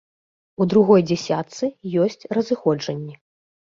У другой дзясятцы ёсць разыходжанні.